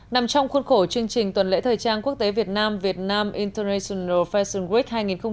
nằm trong khuôn khổ chương trình tuần lễ thời trang quốc tế việt nam vietnam international fashion week hai nghìn một mươi tám